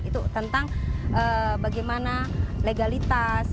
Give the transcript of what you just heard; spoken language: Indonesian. itu tentang bagaimana legalitas